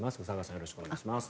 よろしくお願いします。